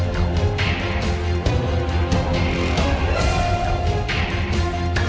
mama punya rencana